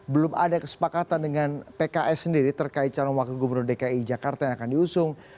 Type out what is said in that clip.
belum ada kesepakatan dengan pks sendiri terkait calon wakil gubernur dki jakarta yang akan diusung